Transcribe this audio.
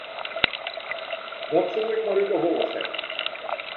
Dat soe ik mar út 'e holle sette.